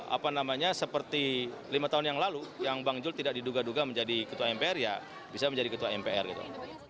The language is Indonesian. apa namanya seperti lima tahun yang lalu yang bang jul tidak diduga duga menjadi ketua mpr ya bisa menjadi ketua mpr gitu